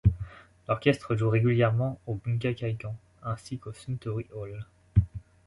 L'orchestre joue régulièrement au Bunka Kaikan ainsi qu'au Suntory Hall.